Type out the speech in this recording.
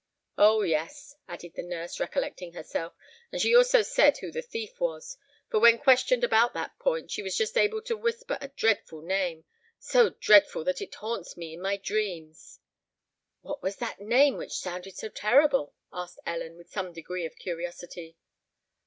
Oh! yes," added the nurse, recollecting herself, "and she also said who the thief was; for when questioned about that point, she was just able to whisper a dreadful name—so dreadful that it haunts me in my dreams." "What was that name which sounded so terrible?" asked Ellen, with some degree of curiosity.